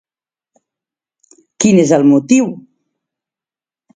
Quin és el motiu?